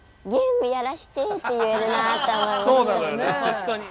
確かに。